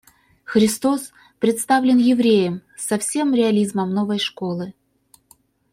Христос представлен Евреем со всем реализмом новой школы.